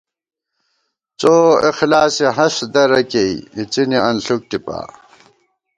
څو اخلاصے ہست درہ کېئی اِڅِنے انݪُوک ٹِپا